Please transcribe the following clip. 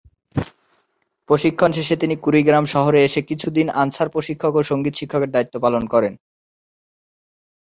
প্রশিক্ষণ শেষে তিনি কুড়িগ্রাম শহরে এসে কিছুদিন আনসার প্রশিক্ষক ও সঙ্গীত শিক্ষকের দায়িত্ব পালন করেন।